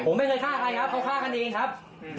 ผมไม่เคยฆ่าใครครับเขาฆ่ากันเองครับ